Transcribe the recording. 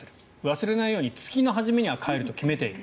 忘れないように月の初めに替えると決めている。